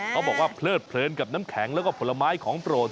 เขาบอกว่าเพลิดเพลินกับน้ำแข็งแล้วก็ผลไม้ของโปรด